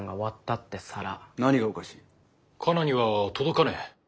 カナには届かねえ。